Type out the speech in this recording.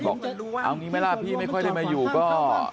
บอกเอางี้ไหมล่ะพี่ไม่ค่อยได้มาอยู่ก็